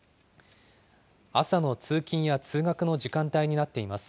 朝の通勤や通学の時間帯になっています。